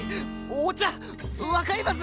お茶！わかります！